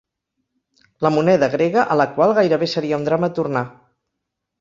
La moneda grega a la qual gairebé seria un drama tornar.